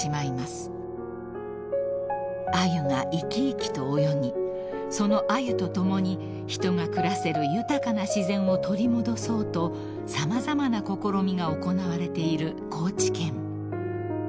［アユが生き生きと泳ぎそのアユと共に人が暮らせる豊かな自然を取り戻そうと様々な試みが行われている高知県］